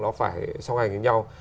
nó phải song hành với nhau